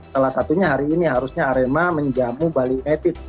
salah satunya hari ini harusnya arema menjamu bali united